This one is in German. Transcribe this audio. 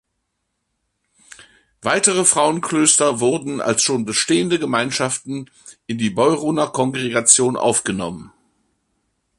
Weitere Frauenklöster wurden als schon bestehende Gemeinschaften in die Beuroner Kongregation aufgenommen.